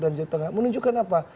dan jawa tengah menunjukkan apa